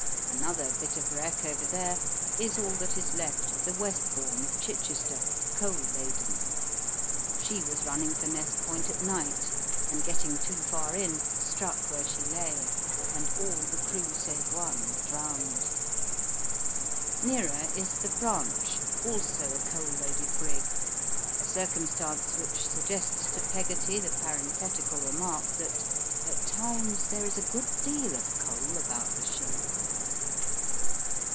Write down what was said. Another bit of wreck over there is all that is left of the Westbourne, of Chichester, coal laden. She was running for Ness Point at night, and, getting too far in, struck where she lay, and all the crew save one were drowned. Nearer is the Branch, also a coal loaded brig, a circumstance which suggests to Peggotty the parenthetical remark that "at times there is a good deal of coal about the shingle."